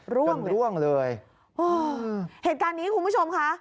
จนร่วงเลยเออเหตุการณ์นี้คุณผู้ชมค่ะ